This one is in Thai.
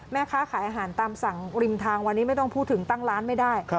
แม่ค้าขายอาหารตามสั่งริมทางวันนี้ไม่ต้องพูดถึงตั้งร้านไม่ได้